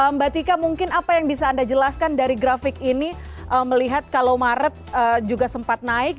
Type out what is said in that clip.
mbak tika mungkin apa yang bisa anda jelaskan dari grafik ini melihat kalau maret juga sempat naik